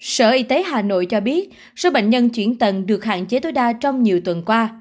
sở y tế hà nội cho biết số bệnh nhân chuyển tầng được hạn chế tối đa trong nhiều tuần qua